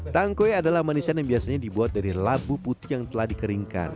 tangkwe adalah manisan yang biasanya dibuat dari labu putih yang telah dikeringkan